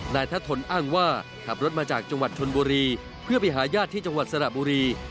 ทะทนอ้างว่าขับรถมาจากจังหวัดชนบุรีเพื่อไปหาญาติที่จังหวัดสระบุรี